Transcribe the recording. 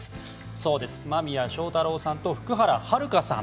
そうです、間宮祥太朗さんと福原遥さん。